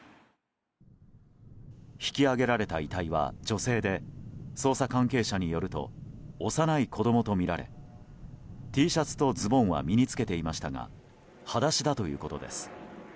引き揚げられた遺体は女性で捜査関係者によると幼い子供とみられＴシャツとズボンは身に着けていましたが裸足だということです。